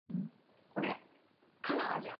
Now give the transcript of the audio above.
It is the only Hiram Township statewide.